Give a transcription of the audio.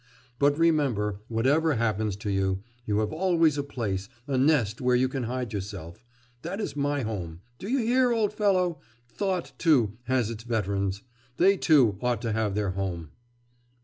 But remember, whatever happens to you, you have always a place, a nest where you can hide yourself. That is my home, do you hear, old fellow? Thought, too, has its veterans; they, too, ought to have their home.